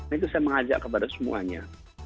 nah itu saya mengajak kepada semuanya